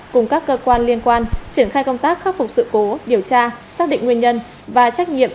cùng các cơ quan liên quan triển khai công tác khắc phục sự cố điều tra xác định nguyên nhân và trách nhiệm